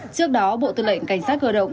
trước đó bộ tư lệnh cảnh sát cơ động